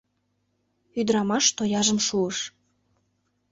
Ӱдырамаш тояжым шуыш.